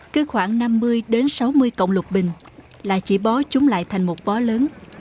cứ khoảng năm mươi đến sáu mươi cọng lục bình là chị bó chúng lại thành một bó lớn